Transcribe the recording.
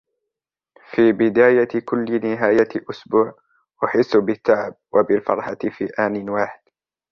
في بداية كل نهاية أسبوع ، أحس بالتعب و بالفرحة في آن واحد.